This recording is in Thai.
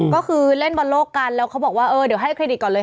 ก็คือเล่นบอลโลกกันแล้วเขาบอกว่าเออเดี๋ยวให้เครดิตก่อนเลย